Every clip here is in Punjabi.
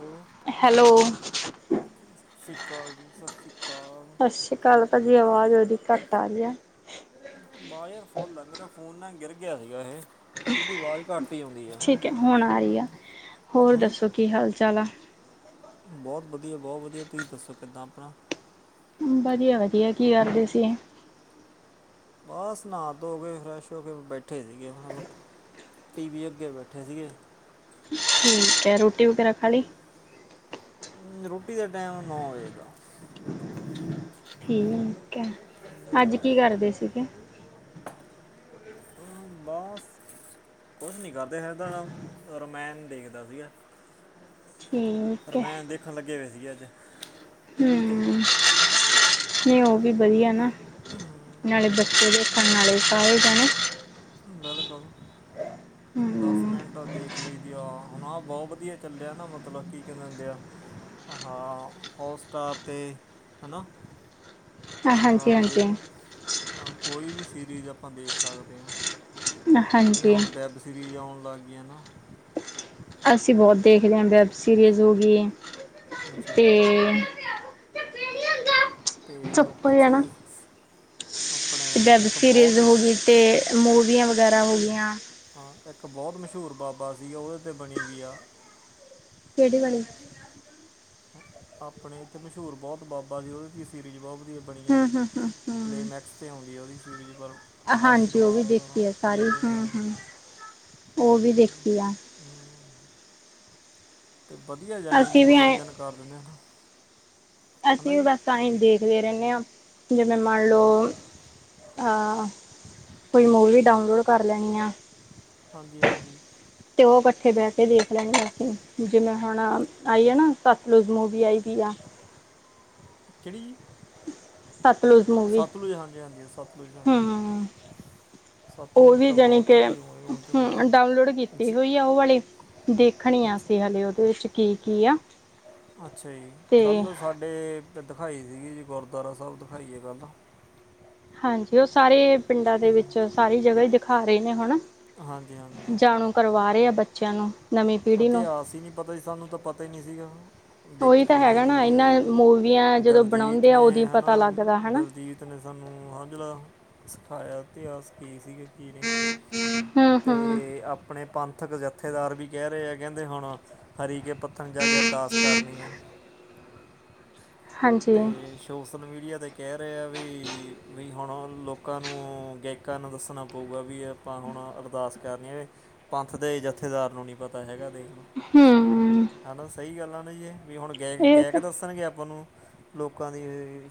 ਹੈਲੋ, ਹੈਲੋ ਸ਼੍ਰੀ ਅਕਾਲ ਜੀ ਸਤਿ ਸ਼੍ਰੀ ਅਕਾਲ ਸਤਿ ਸ਼੍ਰੀ ਅਕਾਲ। ਤੁਹਾਡੀ ਆਵਾਜ਼ ਬੜੀ ਘੱਟ ਆ ਰੀ ਹੈ। ਬਾਜ਼ ਯਅਰ ਫੋਨ ਆ ਮੇਰਾ ਫੋਨ ਨਾ ਗਿਰ ਗਿਆ ਸੀਗਾ ਇਹ, ਇਹਦੀ ਆਵਾਜ਼ ਘੱਟ ਹੀ ਆਉਂਦੀ ਆ। ਠੀਕ ਹੁਣ ਆ ਰਹੀ ਆ, ਹੋਰ ਹੂੰ ਦੱਸੋ ਕੀ ਹਾਲ- ਚਾਲ ਆ? ਬਹੁਤ ਵਧੀਆ- ਬਹੁਤ ਵਧੀਆ ਤੁਸੀਂ ਦੱਸੋ ਕਿੱਦਾਂ ਆਪਣਾ। ਵਧੀਆ, ਵਧੀਆ ਕੀ ਕਰਦੇ ਸੀ। ਬਸ ਨਾਹਾ ਧੋ ਕੇ ਫਰੈਸ਼ ਹੋ ਕੇ ਬੈਠੇ ਸੀਗੇ ਹੁਣੇ। ਟੀ ਵੀ ਅੱਗੇ ਬੈਠੇ ਸੀਗੇ। ਠੀਕ ਹੈ, ਰੋਟੀ ਵਗੈਰਾ ਖਾਲ ਲਈ। ਰੋਟੀ ਦਾ ਟਾਈਮ ਨੌ ਵਜੇ ਦਾ। ਠੀਕ ਹੈ, ਅੱਜ ਕੀ ਕਰਦੇ ਸੀਗੇ। [inaudible] ਬਸ, ਕੁਛ ਨਹੀਂ ਕਰਦੇ ਫ ਤਾਂ ਰਮਾਇਣ ਦੇਖਦਾ ਸੀਗਾ। ਠੀਕ ਹੈ ਰਮਾਇਣ ਦੇਖਣ ਲੱਗੇ ਹੋਏ ਸੀਗੇ ਅੱਜ ਟੀ ਵੀ 'ਤੇ। ਨੇ ਉਹ ਵੀ ਵਧੀਆ ਨਾ ਨਾਲੇ ਬੱਚੇ ਦੇਖਣ ਨਾਲੇ ਸਾਰੇ ਜਾਣੇ। ਬਿਲਕੁਲ ਹਮ ਦਸ ਮਿੰਟ ਦੇਖ ਲਈ ਦੀ ਆ, ਹੁਣ ਆ ਬਹੁਤ ਵਧੀਆ ਚੱਲਿਆ ਨਾ ਮਤਲਬ ਕੀ ਕਹਿੰਦੇ ਹੁੰਦੇ ਆ। ਆਹਾ ਹੋਟਸਟਾਰ 'ਤੇ ਹੈ ਨਾ। ਹਾਂਜੀ ਹਾਂ ਹਾਂਜੀ ਜੇ ਕੋਈ ਵੀ ਸੀਰੀਜ਼ ਆਪਾਂ ਦੇਖ ਸਕਦੇ ਹਾਂ। ਜਿਹੜੀਆਂ ਹਾਂਜੀ ਹੁਣ ਵੈੱਬ ਸੀਰੀਜ਼ ਆਉਣ ਲੱਗ ਗਈਆਂ ਨਾ। ਅਸੀਂ ਬਹੁਤ ਦੇਖਦੇ ਹਾਂ ਵੈੱਬ ਸੀਰੀਜ਼ ਹੋ ਗਈ ਅੱਛਾ ਜੀ ਅਤੇ। ਅਤੇ ਉਹ ਚੱਪਲ ਹੈ ਪਿੱਛੇ ਨਾ ਆਪਣੇ ਇੱਕ ਬਹੁਤ। ਅਤੇ ਮੂਵੀਆਂ ਵਗੈਰਾ ਹੋ ਗਈਆਂ। ਹਾਂ ਇੱਕ ਬਹੁਤ ਮਸ਼ਹੂਰ ਬਾਬਾ ਸੀਗਾ ਉਹਦੇ 'ਤੇ ਬਣੀ ਵੀ ਆ। ਕਿਹੜੀ ਵਾਲੀ ਆਪਣੇ ਇੱਥੇ ਮਸ਼ਹੂਰ ਬਹੁਤ ਬਾਬਾ ਸੀ। ਉਹਦੇ ਤੇ ਹੀ ਸੀਰੀਜ ਬਹੁਤ ਵਧੀਆ। ਬੜੀਆਂ ਹੂੰ, ਹੂੰ, ਹੂੰ, ਹੂੰ ਪਲੇਮੈਕਸ ਤੇ ਆਉਦੀ। ਉਹਦੀ ਸੀਰੀਜ਼ ਪਰ ਹਾਂਜੀ ਉਹ ਵੀ ਆਸ਼ੀਰਵਾਦ ਉਹਦਾ ਨਾਂ। ਦੇਖੀ ਆ ਸਾਰੀ ਹੂੰ ਹੂੰ। [inaudible] ਉਹ ਵੀ ਦੇਖੀ ਆ। ਅਤੇ ਵਧੀਆ ਜਾਣੀ ਕਿ ਅਸੀਂ ਵੀ ਐ ਮਨੋਰੰਜਨ ਕਰ ਦਿੰਦੇ ਹਾਂ। ਅਸੀਂ ਵੀ ਬਸ ਤਾਂ ਹੀ ਦੇਖਦੇ ਰਹਿੰਦੇ ਹਾਂ। ਜਿਵੇਂ ਮੰਨ ਹਾਂਜੀ ਲਓ। ਹਾਂ ਕੋਈ ਮੂਵੀ ਡਾਊਨਲੋਡ ਕਰ ਲੈਣੀ ਆ। ਹਾਂਜੀ ਹਾਂਜੀ ਅਤੇ ਉਹ ਇਕੱਠੇ ਬਹਿ ਕੇ ਦੇਖ ਲੈਣੇ। ਅਸੀਂ ਜਿਵੇਂ ਹੁਣ ਆਈ ਆ ਨਾ। ਸਤਲੁਜ਼ ਮੂਵੀ ਆਈ ਵੀ ਆ। ਕਿਹੜੀ? ਸਤਲੁਜ ਮੂਵੀ ਸਤਲੁਜ ਹਾਂਜੀ, ਹਾਂਜੀ ਸਤਲੁਜ ਹਾਂਜੀ ਹੂੰ ਉਹ ਸਤਲੁਜ ਵੀ ਤਾਂ ਜਾਣੀ ਬਹੁਤ ਕਿ ਵਧੀਆ ਹੋਣੇ ਹੁੰਦੇ ਹੂੰ ਡਾਊਨਲੋਡ ਹੈਂ ਕੀਤੀ ਜੀ ਹੋਈ ਉਹ ਵਾਲੀ ਦੇਖਣੀ ਆ, ਅੱਛਾ ਅਸੀਂ ਹਲੇ ਉਹਦੇ ਵਿੱਚ ਕੀ ਕੀ ਆ। ਅੱਛਾ ਜੀ, ਤੇ ਕੱਲ੍ਹ ਸਾਡੇ ਦਿਖਾਈ ਸੀਗੀ ਜੀ। ਗੁਰਦੁਆਰਾ ਸਾਹਿਬ ਦਿਖਾਈ ਹੈ। ਕੱਲ੍ਹ ਹਾਂਜੀ ਉਹ ਸਾਰੇ ਪਿੰਡਾਂ ਦੇ ਵਿੱਚ ਸਾਰੀ ਜਗ੍ਹਾ ਦਿਖਾ ਰਹੇ ਨੇ ਹੁਣ। ਹਾਂਜੀ ਹਾਂਜੀ ਜਾਣੂ ਕਰਵਾ ਰਹੇ ਆ ਬੱਚਿਆਂ ਨੂੰ। ਨਵੀਂ ਪੀੜ੍ਹੀ ਨੂੰ ਇਤਿਹਾਸ ਹੀ ਨਹੀ ਪਤਾ ਸੀ, ਸਾਨੂੰ ਤਾਂ ਪਤਾ ਹੀ ਨਹੀ ਸੀਗਾ। ਦੇਖ ਉਹੀ ਤਾਂ ਸੁਣਿਆ ਹੀ ਹੈਗਾ ਨਹੀ ਨਾ ਸੀਗਾ ਇਹਨਾਂ ਮੂਵੀਆਂ ਜੀ। ਜਦੋਂ ਦਲਜੀਤ ਬਣਾਉਂਦੇ ਆ ਨੇ ਉਦੋਂ ਹਨਾ ਪਤਾ ਲੱਗਦਾ ਦਲਜੀਤ। ਹਨਾ ਦਿਲਜੀਤ ਨੇ ਸਾਨੂੰ ਆਹ ਜਿਹੜਾ ਸਿਖਾਇਆ ਇਤਿਹਾਸ ਕੀ ਸੀਗੇ। ਜ ਨਹੀਂ ਹੂੰ ਹੂੰ ਤੇ ਆਪਣੇ ਪੰਥਕ ਜਥੇਦਾਰ ਵੀ। ਕਹਿ ਰਹੇ ਆ ਕਹਿੰਦੇ ਹੁਣ, ਹਰੀ ਕੇ ਪੱਤਣ ਜਾ ਕੇ ਅਰਦਾਸ ਕਰਨੀ ਆ। ਹਾਂਜੀ ਤੇ ਸੋਸ਼ਲ ਮੀਡੀਆ ਤੇ ਕਹਿ ਰਹੇ ਆ ਵੀ ਵੀ ਹੁਣ ਲੋਕਾਂ ਨੂੰ ਗੈ ਨੂੰ ਦੱਸਣਾ ਪਊਗਾ, ਵੀ ਆਪਾਂ ਹੁਣ ਅਰਦਾਸ ਕਰਨੀ ਹੈ। ਪੰਥ ਦੇ ਜਥੇਦਾਰ ਨੂੰ ਨੀ ਪਤਾ ਹੈਗਾ ਦੇਖਲੋ, ਹੂੰ ਹੈਨਾ ਸਹੀ ਗੱਲ ਆ ਨਾ ਜੀ ਇਹ ਵੀ ਹੁਣ ਗਾਇਕ ਇਹ ਗਾਇਕ ਤਾਂ ਦੱਸਣਗੇ ਆਪਾਂ ਨੂੰ ਲੋਕਾਂ ਦੀ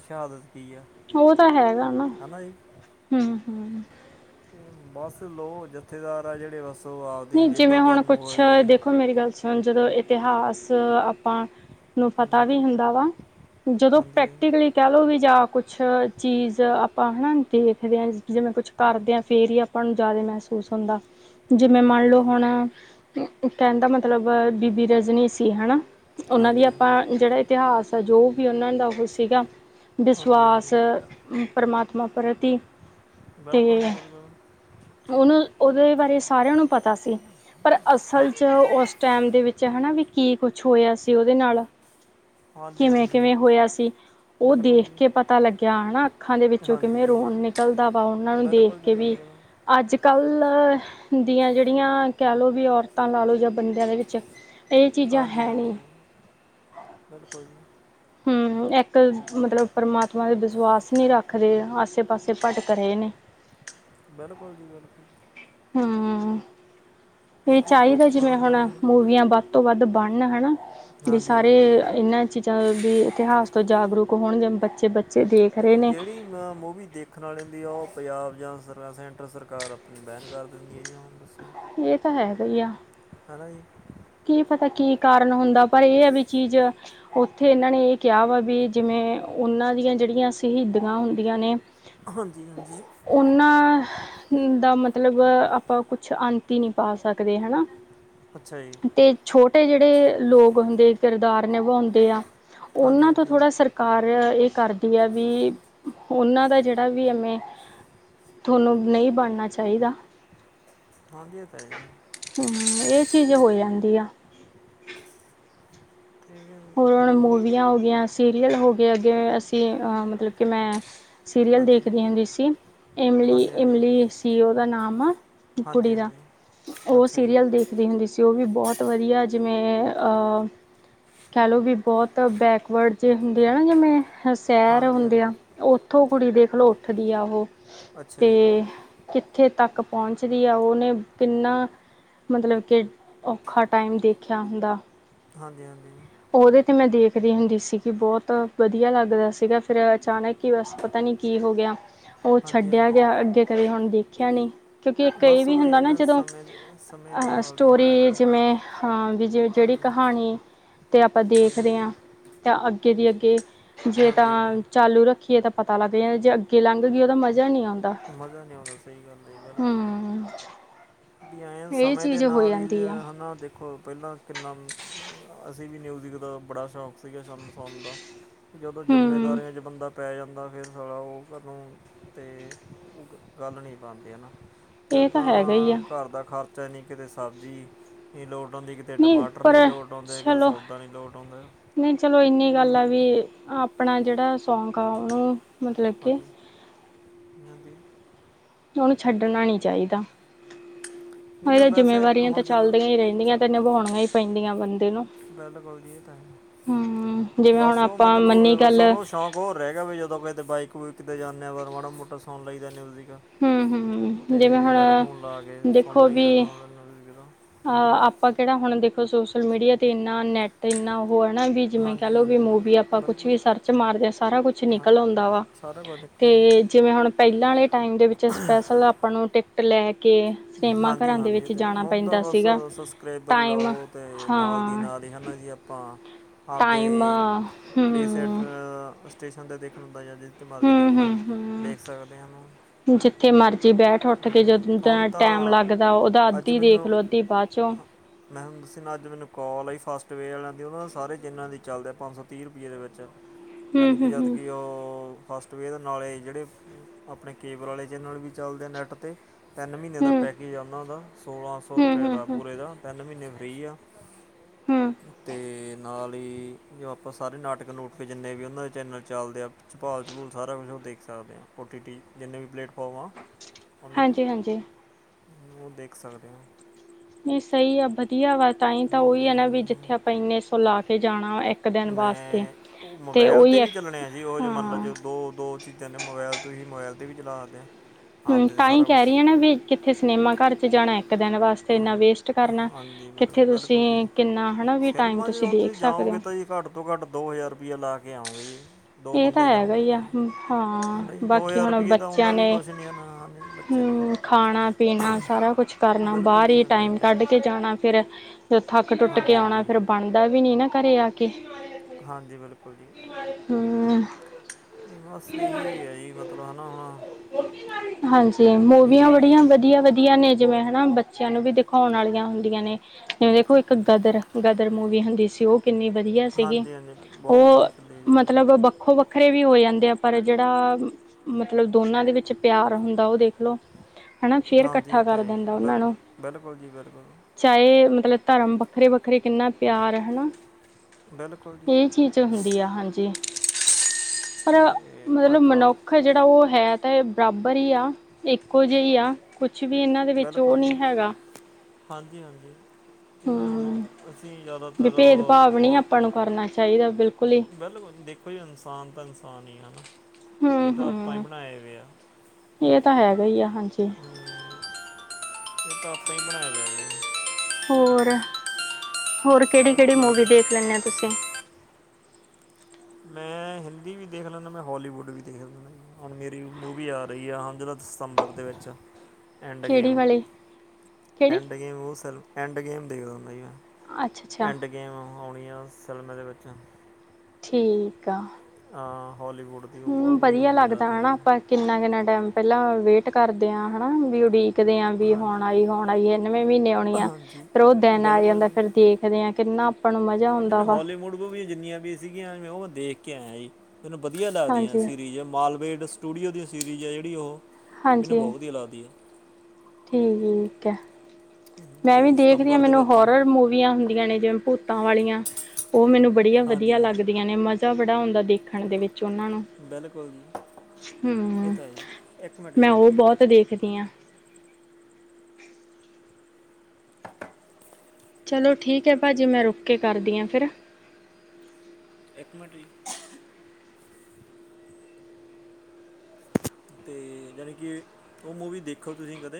ਸ਼ਹਾਦਤ ਕੀ ਆ ਉਹ ਤਾਂ ਹੈਗਾ ਨਾ ਹਨਾ ਜੀ ਹੂ ਹੂ ਬਸ ਲਓ ਜਥੇਦਾਰ ਆ ਜਿਹੜੇ ਬਸ ਉਹ ਆਪਦੀਆਂ ਨਹੀਂ ਜਿਵੇਂ ਜੇਬਾਂ ਹੁਣ ਭਰਨ ਨੂੰ ਕੁਛ ਹੋਏ ਹੋਏ ਆ ਜੀ ਦੇਖੋ ਮੇਰੀ ਗੱਲ ਸਮਝ ਲੋ ਇਤਿਹਾਸ ਆਪਾਂ ਨੂੰ ਪਤਾ ਹਾਂਜੀ ਵੀ ਹੁੰਦਾ ਵਾ ਜਦੋਂ ਹਾਂਜੀ ਪ੍ਰੈਕਟੀਕਲੀ ਕਹਿ ਲਓ ਵੀ ਜਾਂ ਕੁਛ ਚੀਜ਼ ਆਪਾਂ ਹੈ ਨਾ ਦੇਖਦੇ ਹਾਂ ਜਿਵੇਂ ਕੁਛ ਕਰਦੇ ਆਂ ਫਿਰ ਹੀ ਆਪਾਂ ਨੂੰ ਜ਼ਿਆਦਾ ਮਹਿਸੂਸ ਹੁੰਦਾ। ਜਿਵੇਂ ਹਾਂਜੀ ਮੰਨਲਓ ਹਾਂਜੀ ਹੁਣ ਕਹਿਣ ਦਾ ਮਤਲਬ ਬੀਬੀ ਰਜਨੀ ਸੀ, ਹੈਨਾ ਉਹਨਾਂ ਦੀ ਹਾਂਜੀ ਹਾਂਜੀ ਆਪਾਂ ਜਿਹੜਾ ਇਤਿਹਾਸ ਆ ਜੋ ਵੀ ਉਹਨਾਂ ਦਾ ਉਹ ਸੀਗਾ। ਹਾਂਜੀ ਹਾਂਜੀ ਵਿਸ਼ਵਾਸ ਪਰਮਾਤਮਾ ਪ੍ਰਤੀ ਬਿਲਕੁਲ ਜੀ ਤੇ ਬਿਲਕੁਲ ਹੁਣ ਉਹਦੇ ਬਾਰੇ ਸਾਰਿਆਂ ਨੂੰ ਪਤਾ ਸੀ। ਪਰ ਅਸਲ ਚ ਉਸ ਟਾਈਮ ਦੇ ਵਿੱਚ ਹੈਨਾ ਵੀ ਕੀ ਕੁਛ ਹੋਇਆ ਸੀ ਉਹਦੇ ਨਾਲ ਹਾਂਜੀ ਕਿਵੇਂ ਹਾਂਜੀ ਕਿਵੇਂ ਹੋਇਆ ਸੀ। ਉਹ ਬਿਲਕੁਲ ਦੇਖ ਕੇ ਜੀ ਪਤਾ ਲੱਗਿਆ ਹੈਨਾ ਅੱਖਾਂ ਦੇ ਵਿੱਚੋਂ ਕਿਵੇਂ ਹਾਂਜੀ ਰੋਣ ਨਿਕਲਦਾ ਵਾ ਉਹਨਾਂ ਨੂੰ ਦੇਖ ਬਿਲਕੁਲ ਜੀ ਕੇ ਵੀ ਬਿਲਕੁਲ ਅੱਜ ਕੱਲ੍ਹ ਅ ਦੀਆਂ ਜਿਹੜੀਆਂ ਕਹਿ ਲਓ ਵੀ ਔਰਤਾਂ ਲਾ ਲਓ ਜਾਂ ਬੰਦਿਆਂ ਦੇ ਵਿੱਚ ਇਹ ਚੀਜ਼ਾਂ ਹਾਂਜੀ ਹੈ ਹਾਂਜੀ ਨਹੀਂ ਬਿਲਕੁਲ ਜੀ ਹੂ ਇੱਕ ਮਤਲਬ ਪਰਮਾਤਮਾ ਦਾ ਵਿਸ਼ਵਾਸ ਨਹੀਂ ਰੱਖ ਰੇ ਆਸੇ ਪਾਸੇ ਭਟਕ ਰਹੇ ਨੇ ਬਿਲਕੁਲ ਜੀ ਬਿਲਕੁਲ ਹੂ ਇਹ ਜੀ ਚਾਹੀਦਾ ਲੋਕਾਂ ਜਿਵੇਂ ਹੁਣ ਦਾ ਮੂਵੀਆਂ ਵੱਧ ਤੋਂ ਵੱਧ ਬਣਨ ਹੈਨਾ। ਵੀ ਹਾਂਜੀ ਸਾਰੇ ਹਾਂਜੀ ਇਹਨਾਂ ਚੀਜ਼ਾਂ ਵੀ ਇਤਿਹਾਸ ਤੋਂ ਜਾਗਰੂਕ ਹੋਣਗੇ ਬੱਚੇ ਬ ਦੇਖੋ ਜੀ ਜਿਹੜੀ ਮ ਮੂਵੀ ਦੇਖਣ ਵਾਲ ਹੁੰਦੀ ਐ ਉਹ ਪੰਜਾਬ ਜਾਂ ਸਰ ਸੈਂਟਰ ਸਰਕਾਰ ਬੈਨ ਕਰ ਦਿੰਦੀ ਹੈ ਜੀ, ਹੁਣ ਦੱਸੋ ਇਹ ਤਾਂ ਹੈਗਾ ਹੀ ਆ ਹੈ ਨਾ ਜੀ ਕੀ ਪਤਾ ਕੀ ਕਾਰਨ ਹੁੰਦਾ ਪਰ ਇਹ ਹੈ ਵੀ ਚੀਜ਼ ਉੱਥੇ ਇਹਨਾਂ ਨੇ ਇਹ ਕਿਹਾ ਵਾ ਵੀ ਜਿਵੇਂ ਉਹਨਾਂ ਦੀਆਂ ਜਿਹੜੀਆਂ ਸ਼ਹੀਦਾਂ ਹੁੰਦੀਆਂ ਨੇ। ਹਾਂਜੀ ਹਾਂਜੀ ਉਹਨਾਂ ਦਾ ਮਤਲਬ ਆਪਾਂ ਕੁਛ ਅੰਤ ਹੀ ਨਹੀ ਪਾ ਸਕਦੇ ਹੈਨਾ। ਅੱਛਾ ਜੀ ਤੇ ਛੋਟੇ ਜਿਹੜੇ ਲੋਕ ਹੁੰਦੇ ਕਿਰਦਾਰ ਨਿਭਾਉਂਦੇ ਆ। ਹਾਂਜੀ ਉਹਨਾਂ ਤੋਂ ਹਾਂਜੀ ਥੋੜਾ ਸਰ ਸਰਕਾਰ ਇਹ ਕਰਦੀ ਹੈ ਵੀ ਉਹਨਾਂ ਦਾ ਜਿਹੜਾ ਵੀ ਐਵੇਂ ਤੁਹਾਨੂੰ ਨਹੀਂ ਬਣਨਾ ਚਾਹੀਦਾ। ਹਾਂਜੀ ਇਹ ਤਾਂ ਹੈ ਹੀ। ਹੂ ਇਹ ਚੀਜ਼ ਹੋ ਜਾਂਦੀ ਆ ਤੇ ਹੋਰ ਹੁਣ ਅਮ, ਮੂਵੀਆਂ ਹੋ ਗਈਆਂ ਸੀਰੀਅਲ ਹੋ ਗਏ ਅੱਗੇ ਅਸੀਂ ਮਤਲਬ ਕਿ ਮੈਂ ਸੀਰੀਅਲ ਹਾਂਜੀ ਦੇਖਦੀ ਹੁੰਦੀ ਸੀ। ਇਮਲੀ ਹਾਂਜੀ ਹਾਂਜੀ ਇਮਲੀ ਸੀ ਉਹਦਾ ਨਾਮ ਆ ਹਾਂਜੀ ਕੁੜੀ ਦਾ ਹਾਂਜੀ ਉਹ ਅੱਛਾ ਜੀ ਸੀਰੀਅਲ ਦੇਖ ਦੀ ਹੁੰਦੀ ਸੀ ਉਹ ਵੀ ਬਹੁਤ ਵਧੀਆ ਜਿਵੇਂ ਅ ਕਹਿਲਓ ਵੀ ਬਹੁਤ ਬੈਕਵਰਡ ਜ ਹੁੰਦੇ ਆ ਨਾ ਜਿਵੇਂ ਸੈਰ ਹਾਂਜੀ ਹੁੰਦੇ ਹਾਂਜੀ ਆ। ਉੱਥੋਂ ਕੁੜੀ ਦੇਖਲੋ ਉੱਠਦੀ ਆ ਉਹ ਅੱਛਾ ਤੇ ਜੀ ਕਿੱਥੇ ਤੱਕ ਪਹੁੰਚਦੀ ਹੈ ਉਹਨੇ ਕਿੰਨਾ ਮਤਲਬ ਕੇ ਔਖਾ ਟਾਈਮ ਦੇਖਿਆ ਹੁੰਦਾ। ਹਾਂਜੀ, ਹਾਂਜੀ। ਉਹਦੇ ਤੇ ਮੈਂ ਦੇਖਦੀ ਹੁੰਦੀ ਸੀਗੀ ਬਹੁਤ ਵਧੀਆ ਲੱਗ ਰਿਹਾ ਸੀਗਾ ਫਿਰ ਅਚਾਨਕ ਕਿ ਬਸ ਪਤਾ ਨੀ ਕੀ ਹੋ ਗਿਆ। ਉਹ ਹਾਂਜੀ ਛੱਡਿਆ ਹਾਂਜੀ ਗਿਆ ਅੱਗੇ ਕਦੇ ਹੁਣ ਦੇਖਿਆ ਨਹੀਂ। ਕਿਉਂਕਿ ਇੱਕ ਇਹ ਬਸ ਵੀ ਉਹ ਹੀ ਹੁੰਦਾ ਹੈ ਨਾ ਜਦੋਂ ਸਮੇਂ ਸਮੇਂ ਦੇ ਅ ਨਾਲ ਹੀ ਹੈ ਨਾ ਸਟੋਰੀ ਜੀ ਜਿਵੇਂ ਹਾਂ ਵਿ ਜੇ ਜਿਹੜੀ ਹਾਂਜੀ ਕਹਾਣੀ ਤੇ ਆਪਾਂ ਦੇਖ ਹਾਂਜੀ ਰਹੇ ਹਾਂ ਤਾਂ ਅੱਗੇ ਦੇ ਅੱਗੇ ਜੇ ਤਾਂ ਹਾਂਜੀ ਹਾਂਜੀ ਚਾਲੂ ਰੱਖੀਏ ਤਾਂ ਪਤਾ ਲੱਗ ਜਾਏ ਜੇ ਅੱਗੇ ਲੰਘ ਗਈ ਤਾਂ ਉਹਦਾ ਮਜ਼ਾ ਨਹੀਂ ਆਂਦਾ। ਮਜ਼ਾ ਨਹੀਂ ਆਉਂਦਾ ਸਹੀ ਗੱਲ ਹੇ ਜੀ ਬਿਲਕੁਲ ਜ ਵੀ ਅਨ ਆ ਇਹ ਸਮੇਂ ਦੇ ਚੀਜ਼ ਹੋ ਨਾਲ ਹੀ ਜਾਂਦੀ ਆ ਹਨਾਂ ਦੇਖੋ। ਦੇਖੋ ਪਹਿਲਾਂ ਕਿੰਨਾ ਅਸੀਂ ਵੀ ਮਿਊਜ਼ਿਕ ਦਾ ਬੜਾ ਸ਼ੌਕ ਸੀਗਾ ਸ਼ਾਨੂੰ ਸੁਨਣ ਦਾ। ਜਦੋਂ ਹੂੰ ਜਿੰਮੇਦਾਰੀਆਂ ਚ ਬੰਦਾ ਪੈ ਜਾਂਦਾ ਫਿਰ ਸਾਲਾ ਉਹ ਕਾਹਨੂੰ ਅਤੇ ਗੱਲ ਨਹੀਂ ਪਾਉਂਦੇ ਹੈ ਨਾ। ਫਿਰ ਇਹ ਹੈਗਾ ਹੀ ਆ ਤਾਂ ਘਰ ਦਾ ਖ਼ਰਚਾ ਹੀ ਨਹੀਂ ਕਿਤੇ ਸਬਜ਼ੀ ਨਹੀਂ ਲੋਟ ਆਉਂਦੀ ਕਿਤੇ ਨਹੀਂ ਟਮਾਟਰ ਪਰ ਲੋਟ ਆਉਂਦੇ ਕਿਤੇ ਚਲੋ ਸੌਦਾ ਨਹੀਂ ਲੋਟ ਆਉਂਦਾ ਨਹੀਂ ਚਲੋ ਇਹਨੀ ਉਹੀ ਗੱਲ ਆ ਜੀ ਵੀ ਆਪ ਆਪਣਾ ਜਿਹੜਾ ਸੌਂਕ ਆ ਉਹਨੂੰ ਮਤਲਬ ਕਿ ਹਾਂਜੀ ਇਹਨਾਂ ਦੇ ਉਹਨੂੰ ਛੱਡਣਾ ਨਹੀ ਚਾਹੀਦਾ। ਨਹੀਂ ਇਹ ਮੈਂ ਤਾਂ ਵੈਸੇ ਜਿੰਮੇਵਾਰੀਆਂ ਤਾਂ ਹੁਣ ਜਦੋਂ ਚੱਲਦੀਆਂ ਹੀ ਰਹਿੰਦੀਆਂ ਚ ਤੇ ਨਿਭਾਉਣੀਆਂ ਹੀ ਪੈਂਦੀਆਂ ਬੰਦੇ ਨੂੰ। ਬਿਲਕੁਲ ਜੀ ਇਹ ਤਾਂ ਹੂੰ, ਜਿਵੇਂ ਹੁਣ ਬਸ ਉਹ ਆਪਾਂ ਮਤਲਬ ਹੋਵੇ ਮੰਨੀ ਉਹ ਗੱਲ ਸੁਣੋ ਤਾਂ ਉਹ ਰਹਿ ਗਿਆ ਵੀ ਜਦੋਂ ਕਿਤੇ ਬਾਈਕ ਬੁਕ 'ਤੇ ਜਾਂਦੇ ਹਾਂ ਪਰ ਮਾੜਾ ਮੋਟਾ ਸੁਣ ਲਈ ਦਾ ਮਿਊਜਿਕ। ਹੂੰ-ਹੂੰ, ਤੇ ਜਿਵੇਂ ਹੈਡਫੋਨ ਲਾ ਕੇ ਹੁਣ ਸੁਣ ਦੇਖੋ ਲਈ ਤਾਂ ਵੀ ਦੋ ਮਿੰਟ ਮਿਊਜਿਕ। ਅ ਆਪਾਂ ਕਿਹੜਾ ਹੁਣ ਦੇਖੋ ਸੋਸ਼ਲ ਮੀਡੀਆ ਤੇ ਇੰਨਾ ਨੈਟ ਤੇ ਇੰਨਾ ਉਹ ਹੈ ਨਾ ਵੀ ਜਿਵੇਂ ਕਹਿ ਹਾਂਜੀ ਲਓ ਵੀ ਹਾਂਜੀ ਬਿਲ- ਮੂਵੀ ਆਪਾਂ ਕੁਛ ਬਿਲਕੁਲ ਵੀ ਸਰਚ ਮਾਰਦੇ ਸਾਰਾ ਕੁਛ ਹਾਂ ਨਿਕਲ ਆਉਂਦਾ ਵਾ। ਸਾਰਾ ਕੁਝ ਨਿਕਲ ਤੇ ਆਉਂਦਾ ਜਿਵੇਂ ਹੁਣ ਪਹਿਲਾਂ ਵਾਲੇ ਟਾਈਮ ਦੇ ਵਿੱਚ ਸਪੈਸ਼ਲ ਆਪਾਂ ਨੂੰ ਟਿਕਟ ਲੈ ਕੇ ਸਿਨੇਮਾ ਹਾਂਜੀ, ਘਰਾਂ ਦੇ ਹਾਂਜੀ ਵਿੱਚ ਅਤੇ ਜਾਣਾ ਹੁਣ ਤਾਂ ਪੈਂਦਾ ਬਸ ਸੀਗਾ ਸਬਸਕ੍ਰਾਈਬਰ ਟਾਈਮ ਲਓ ਅਤੇ ਨਾਲ ਦੀ ਹਾਂ ਨਾਲ ਹੀ ਹੈ ਨਾ ਜੀ ਆਪ ਆਪਾਂ ਟਾਈਮ ਆਪਦੇ ਹੂੰ, ਪਲੇਸੈਟਰ ਸਟੇਸ਼ਨ 'ਤੇ ਦੇਖਣ ਹੁੰਦਾ ਜਾਂ ਜੇ ਹਮ ਹਮ ਹਮ ਜਿੱਥੇ ਮਰਜੀ ਬੈਠ ਉੱਠ ਕੇ ਹਮ, ਜਦੋਂ ਦਾ ਹੁਣ ਟੈਮ ਤਾਂ ਲੱਗਦਾ ਉਹਦਾ ਅੱਜ ਅੱਧੀ ਦੇਖ ਮੈਨੂੰ ਲਓ ਅੱਧੀ ਬਾਅਦ ਚੋਂ ਮੈਂ ਹੁਣ ਦੱਸ ਨਾ ਅੱਜ ਮੈਨੂੰ ਕਾਲ ਆਈ ਫਾਸਟਵੇ ਵਾਲਿਆਂ ਦੀ ਉਹ ਸਾਰੇ ਜਿੰਨਾਂ ਦੀ ਚੈਨਲ ਚੱਲਦੇ ਪੰਜ ਸੌ ਤੀਹ ਰੁਪਈਏ ਦੇ ਵਿੱਚ ਹੂੰ ਯਾਨੀ ਕਿ ਹੂੰ ਜਦ ਹੂੰ ਕਿ ਉਹ ਫਾਸਟ ਵੇਅ ਦੇ ਨਾਲੇ ਜਿਹੜੇ ਆਪਣੇ ਕੇਬਲ ਵਾਲੇ ਚੈਨਲ ਵੀ ਚੱਲਦੇ ਆ ਨੈੱਟ 'ਤੇ ਤਿੰਨ ਮਹੀਨੇ ਦਾ ਹੂੰ ਪੈਕੇਜ ਆ ਉਹਨਾਂ ਦਾ ਸੋਲਾਂ ਸੌ ਹੂੰ ਰੁਪਏ ਹੂੰ ਦਾ ਹੂੰ ਪੂਰੇ ਦਾ ਤਿੰਨ ਮਹੀਨੇ ਫ੍ਰਰੀ ਆ। ਹੂੰ ਤੇ ਨਾਲ ਹੀ ਜੋ ਆਪਾਂ ਸਾਰੇ ਨਾਟਕ ਨੂਟਕ ਜਿੰਨੇ ਵੀ ਉਹਨਾਂ ਦੇ ਚੈਨਲ ਚੱਲਦੇ ਆ ਚੋਪਾਲ ਚਪੂਲ ਸਾਰਾ ਕੁਛ ਉਹ ਦੇਖ ਸਕਦੇ ਹਾਂ ਓ ਟੀ ਟੀ। ਜਿੰਨੇ ਵੀ ਪਲੇੈਟਫੋਰਮ ਆ। ਉਹਨਾਂ ਦੇ ਹਾਂਜੀ, ਹਾਂਜੀ। ਉਹ ਦੇਖ ਸਕਦੇ ਆ। ਨਹੀਂ ਸਹੀ ਆ ਵਧੀਆ ਵਾ ਤਾਂਹੀ ਤਾਂ ਉਹੀ ਆ ਨਾ ਵੀ ਹਮ, ਜਿੱਥੇ ਆਪਾਂ ਇੰਨੇ ਸੋ ਲਾ ਕੇ ਜਾਣਾ ਵਾ। ਮੈਂ, ਉਹ ਮੋਬਾਇਲ 'ਤੇ ਵੀ ਚਲਣੇ ਇੱਕ ਆ? ਜੀ ਉਹ ਜਮਾਨਾ ਹਾਂ ਜੇ ਦੋ, ਦੋ ਚੀਜ਼ਾਂ ਨੇ ਮੋਬਾਇਲ ਤੋਂ ਹੀਂ ਮੋਬਾਇਲ ਤੇ ਵੀ ਚਲਾਦੇ ਹਾਂ। ਹਮ ਤਾਂ ਹੀ ਕਹਿ ਰਹੀ ਹ ਨਾ ਵੀ ਕਿੱਥੇ ਸਿਨੇਮਾ ਘਰ ਚ ਜਾਣਾ ਇੱਕ ਦਿਨ ਬਸ ਕਿੰਨਾ ਹਾਂ ਵੇਸਟ ਕਰਨਾ ਹਾਂਜੀ ਬਿਲਕੁਲ ਕਿੱਥੇ ਬਿਲਕੁਲ ਜੀ ਤੁਸੀਂ ਕਿੰਨਾ ਹੈ ਨਾ ਵੀ ਟਾਇਮ ਤੁਸੀਂ ਦੇਖ ਸਕਦੇ ਹੋ। ਘੱਟੋ ਘੱਟ ਦੋ ਹਜ਼ਾਰ ਰੁਪਇਆ ਲਾ ਕੇ ਆਉਂਗੇ ਜੀ। ਦੋ ਇਹ ਤਾਂ ਬੰਦੇ ਹੈਗਾ ਜਾਉਂਗੇ ਹੀ ਤਾਂ, ਆ ਜੀ ਹਾਂ ਨਾ ਜੀ ਦੋ ਬਾਕੀ ਹਜ਼ਾਰ ਹੁਣ ਰੁਪਈਏ ਤਾਂ ਆਉਂਦਾ ਬੱਚਿਆਂ ਵੀ ਨੇ ਕੁਛ ਨਹੀਂ ਹੈ ਨਾ, ਹਾਂਜੀ ਜੀ ਬੱਚੇ ਨਾ ਹਮ ਖਾਣਾ ਪੀਣਾ ਸਾਰਾ ਕੁਛ ਕਰਨਾ, ਬਿਲਕੁਲ ਬਾਹਰ ਜੀ ਹੀ ਹਾਂਜੀ ਟਾਈਮ ਹਾਂਜੀ ਕੱਢ ਕੇ ਜਾਣਾ। ਫਿਰ ਥੱਕ ਟੁੱਟ ਕੇ ਹਾਂਜੀ ਆਉਣਾ, ਹਾਂਜੀ ਫੇਰ ਬਣਦਾ ਵੀ ਨੀ ਨਾ ਘਰੇ ਆ ਕੇ ਹਾਂਜੀ, ਬਿਲਕੁਲ ਜੀ ਹਮ ਬਸ ਇਹੀ ਹੈ ਜੀ, ਮਤਲਬ ਹੈ ਨਾ ਹੁਣ। ਹਾਂਜੀ, ਮੂਵੀਆਂ ਬ ਬੜੀਆਂ ਵੀ ਵਧੀਆ ਵਧੀਆ ਨੇ ਜਿਵੇਂ ਹੈ ਨਾ, ਬੱਚਿਆਂ ਨੂੰ ਵੀ ਦਿਖਾਉਣ ਵਾਲੀਆਂ ਹੁੰਦੀਆਂ ਨੇ। ਜਿਵੇਂ ਦੇਖੋ ਇੱਕ ਗਦਰ, ਗਦਰ ਮੂਵੀ ਹੁੰਦੀ ਸੀ ਉਹ ਕਿੰਨੀ ਵਧੀਆ ਸੀਗੀ। ਹਾਂਜੀ ਹਾਂਜੀ ਬਹੁਤ ਉਹ ਵਧੀਆ ਚੱਲੇ ਜੀ ਹਾਂਜੀ ਮਤਲਬ ਵੱਖੋ ਵੱਖਰੇ ਵੀ ਹੋ ਜਾਂਦੇ ਆ ਪਰ ਜਿਹੜਾ, ਮਤਲਬ ਦੋਨਾਂ ਦੇ ਵਿੱਚ ਪਿਆਰ ਹੁੰਦਾ ਉਹ ਦੇਖਲਓ। ਹਨਾ, ਫੇਰ ਹਾਂਜੀ ਇਕੱਠਾ ਇਹ ਤਾਂ ਕਰ ਹੈ ਜੀ ਦਿੰਦਾ ਉਹਨਾਂ ਨੂੰ ਬਿਲਕੁਲ ਬਿਲਕੁਲ ਜੀ ਬਿਲਕੁਲ ਚਾਹੇ ਮਤਲਬ ਧਰਮ ਵੱਖਰੇ ਵੱਖਰੇ ਕਿੰਨਾ ਪਿਆਰ ਹੈ ਨਾ, ਬਿਲਕੁਲ ਜੀ ਇਹ ਚੀਜ਼ ਹੁੰਦੀ ਆ। ਹਾਂਜੀ, ਪਰ ਤੇ ਉਹ ਮਤਲਬ ਇੱਕ ਮਨੁੱਖ ਜਿਹੜਾ ਉਹ ਹੈ ਤਾਂ ਇਹ ਬਰਾਬਰ ਹੀ ਆ, ਇੱਕੋ ਜਿ ਹੀ ਆ ਕੁਛ ਕੁਛ ਵੀ ਇਹਨਾਂ ਦੇ ਵਿੱਚ ਉਹ ਬਿਲਕੁਲ ਨਹੀਂ ਜੀ ਹੈਗਾ। ਹਾਂਜੀ ਹਾਂਜੀ, ਜਿਵੇਂ ਹੁਣ ਹਮ ਅਸੀਂ ਵੀ ਜ਼ਿਆਦਾਤਰ ਭੇਦ ਭਾਵ ਬੋ ਨਹੀਂ ਆਪਾਂ ਨੂੰ ਕਰਨਾ ਚਾਹੀਦਾ। ਬਿਲਕੁਲ ਹੀ ਬਿਲਕੁਲ ਦੇਖੋ ਜੀ, ਇਨਸਾਨ ਤਾਂ ਇਨਸਾਨ ਹੀ ਹੈ ਨਾ। ਹਮ ਇਹ ਤਾਂ ਆਪਾਂ ਹੀ ਹਮ ਬਣਾਏਆ ਹੋ ਆ। ਇਹ ਤਾਂ ਹੈਗਾ ਹੀ ਆ, ਹਾਂਜੀ। ਅਪਾ ਹੀ ਬਣਾਏ ਲੈਂਦੇ। ਹੋਰ, ਹੋਰ ਕਿਹੜੀ ਬਸ ਕਿਹੜੀ ਮੂਵੀ ਠੀਕ ਦੇਖ ਲੈਂਦੇ ਹੋ ਤੁਸੀਂ? ਮੈਂ ਹਿੰਦੀ ਵੀ ਦੇਖ ਲੈਂਦਾ, ਮੈਂ ਹੋਲੀਵੁੱਡ ਵੀ ਦੇਖ ਲੈਂਦਾ। ਹੁਣ ਮੇਰੀ ਮੂਵੀ ਆ ਰਹੀ ਆ ਹੁਣ ਜਿਹਦਾ ਸਤੰਬਰ ਦੇ ਵਿੱਚ ਐਂਡ ਕਿਹੜੀ ਗੇਮ, ਵਾਲੀ ਕਿਹੜੀ ਐਂਡ ਗੇਮ ਉਹ ਐਂਡ ਗੇਮ ਦੇਖਦਾ ਹੁੰਦਾ ਜੀ ਮੈਂ ਅੱਛਾ- ਅੱਛਾ। ਐਂਡ ਗੇਮ ਆਉਣੀਆਂ ਸਿਨਮੇ ਦੇ ਵਿੱਚ ਠੀਕ ਆ। ਹੋਲੀਵੁੱਡ ਹਮ, ਵਧੀਆ ਲੱਗਦਾ ਹਨਾ ਆਪਾਂ ਕਿੰਨਾ ਕਿੰਨਾ ਟਾਈਮ ਪਹਿਲਾਂ ਵੇਟ ਕਰਦੇ ਹਾਂ ਹੈ ਨਾ, ਵੀ ਉਡੀਕਦੇ ਆਂ ਵੀ ਹੁਣ ਹਾਂਜੀ ਆਈ ਹੁਣ ਏ ਨਵੇਂ ਮਹੀਨੇ ਆਉਣੀ ਆ, ਹਾਂਜੀ ਫਿਰ ਉਹ ਦਿਨ ਆ ਬਿਲਕੁਲ ਜਾਂਦਾ ਫੇਰ ਦੇਖਦੇ ਆਾਂ ਕਿੰਨਾ ਨੂੰ ਮਜ਼ਾ ਆਉਂਦਾ ਜਿਵੇਂ ਵਾ ਹੋਲੀਮੁੱਡ ਵ ਵੀ ਜਿੰਨੀਆਂ ਵੀ ਸੀਗੀਆਂ ਮੈਂ ਉਹ ਦੇਖ ਕੇ ਆਇਆ ਜੀ, ਮੈਨੂੰ ਵਧੀਆ ਲੱਗਦੀਆਂ ਹਾਂਜੀ ਸੀਰੀਜ ਮਾਲਵੇ ਸਟੂਡੀਓ ਦੀਆਂ ਸੀਰੀਜ਼ ਆ ਜਿਹੜੀ ਉਹ, ਮੈਨੂੰ ਹਾਂਜੀ ਬਹੁਤ ਵਧੀਆ ਲੱਗਦੀ ਹੈ। ਠੀਕ ਕ ਹੈ ਮੈਂ ਵੀ ਤੇ ਦੇਖਦੀ ਹਾਂ, ਸਤੰਬਰ ਦੇ ਮੈਨੂੰ ਵਿੱਚ ਹੋਰਰ ਮੂਵੀਆਂ ਵਧੀਆ ਨੇ ਜਿਵੇਂ ਭੂਤਾਂ ਵਾਲੀਆਂ, ਉਹ ਮੈਨੂੰ ਬੜੀਆ ਹਾਂਜੀ ਵਧੀਆ ਹਾਂਜੀ ਲੱਗਦੀ। ਮਜ਼ਾ ਬੜਾ ਆਉਂਦਾ ਦੇਖਣ ਦੇ ਵਿੱਚ ਉਹਨਾਂ ਨੂੰ ਬਿਲਕੁਲ ਜੀ ਇਹ ਹਮ, ਤਾਂ ਹੈ ਜੀ ਇੱਕ ਮਿੰਟ ਜੀ ਮੈਂ ਉਹ ਬਹੁਤ ਦੇਖਦੀ ਹਾਂ। ਚਲੋ ਠੀਕ ਹੈ ਭਾਜੀ, ਮੈਂ ਰੁਕ ਕੇ ਕਰਦੀ ਹਾਂ ਫਿਰ। ਇੱਕ ਮਿੰਟ ਜੀ, ਅਤੇ ਜਾਣੀ ਕਿ, ਉਹ ਮੂਵੀ ਦੇਖੋ ਤੁਸੀਂ ਕਦੇ